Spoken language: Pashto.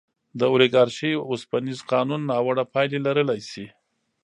د اولیګارشۍ اوسپنیز قانون ناوړه پایلې لرلی شي.